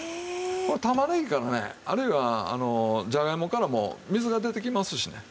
これ玉ねぎからねあるいはじゃがいもからも水が出てきますしね。